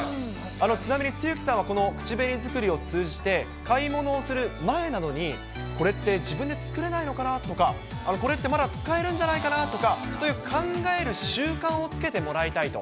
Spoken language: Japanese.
ちなみに露木さんはこの口紅作りを通じて、買い物をする前なのに、これって自分で作れないのかなとか、これってまだ使えるんじゃないかなとか、そういう考える習慣をつけてもらいたいと。